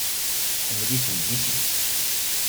Tḥemmel-iten deg sin.